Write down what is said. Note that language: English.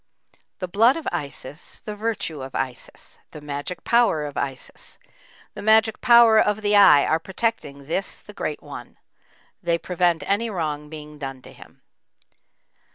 The blood of Isis, the virtue of Isis; the magic power of Isis, the magic power of the Eye are protecting this the Great one; they prevent any wrong being done to him.